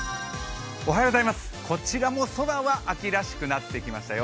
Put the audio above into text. こちらも空は秋らしくなってきましたよ